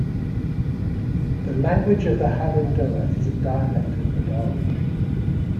The language of the Hadendoa is a dialect of Bedawi.